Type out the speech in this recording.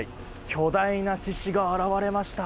巨大な獅子が現れました！